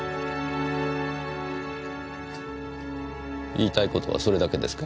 言いたいことはそれだけですか？